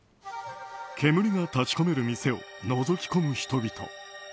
煙が立ち込める店をのぞき込む人々。